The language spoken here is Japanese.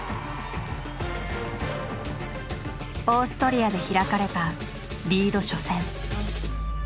オーストリアで開かれたリード初戦。